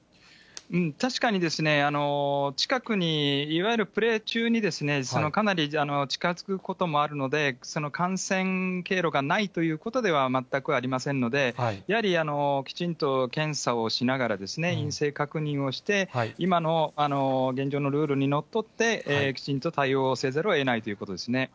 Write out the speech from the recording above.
確かにですね、近くに、いわゆるプレー中に、かなり近づくこともあるので、感染経路がないということでは全くありませんので、やはりきちんと検査をしながら、陰性確認をして、今の現状のルールにのっとってきちんと対応をせざるをえないということですね。